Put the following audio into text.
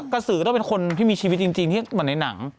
กระสือต้องเป็นคนที่มีชีวิตจริงอย่างมันในหนัง